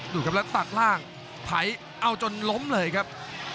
ดูครับแล้วตัดล่างไถเอาจนล้มเลยครับ